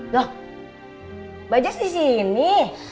loh bajes disini